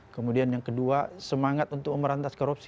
kemudian yang kedua semangat untuk memerantas korupsi